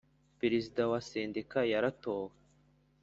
Perezida wa sendika yaratowe